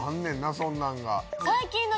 そんなんが。